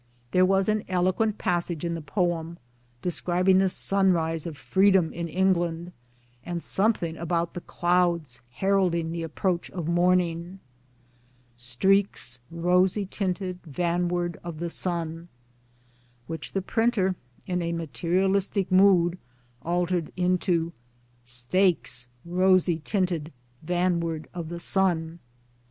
There was an eloquent passage in the poem, describing the sunrise of free dom in England, and something about the clouds heralding the approach of morning :\ Streaks rosy tinted vanward of the sun which the printer, in a materialistic mood, altered into : Steaks rosy tinted vanward of the sun.